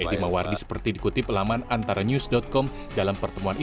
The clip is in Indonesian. tim pembela jokowi